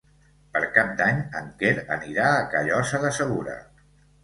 Per Cap d'Any en Quer anirà a Callosa de Segura.